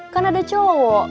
kan ada cowok